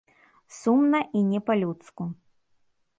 Сумна і не па-людску.